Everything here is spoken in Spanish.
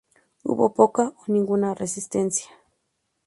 Hubo poca o ninguna resistencia.